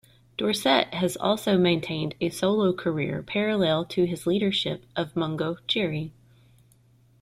Dorset has also maintained a solo career parallel to his leadership of Mungo Jerry.